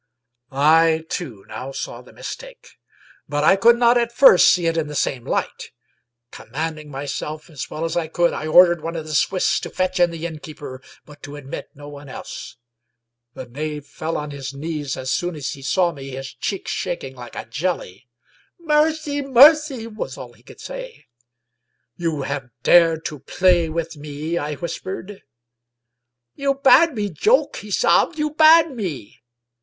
I too now saw the mistake, but I could not at first see it in the same light. Commanding myself as well as I could, I ordered one of the Swiss to fetch in the innkeeper, but to admit no one else. The knave fell on his knees as soon as he saw me, his cheeks shaking like a jelly. " Mercy, mercy !" was all he could say. " You have dared to play with me ?" I whispered. " You bade me joke," he sobbed, " you bade me."